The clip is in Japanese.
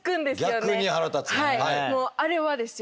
はいもうあれはですよ